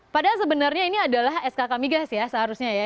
padahal sebenarnya ini adalah skk migas ya seharusnya ya